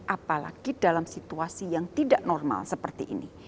apalagi dalam situasi yang tidak normal seperti ini